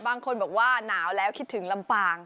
บางคนบอกว่าหนาวแล้วคิดถึงลำปาง